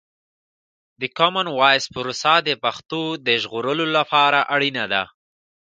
د کامن وایس پروسه د پښتو د ژغورلو لپاره اړینه ده.